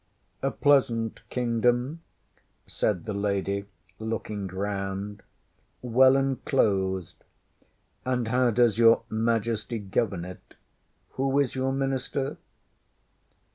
ŌĆśA pleasant Kingdom, ŌĆÖ said the lady, looking round. ŌĆśWell enclosed. And how does your Majesty govern it? Who is your Minister?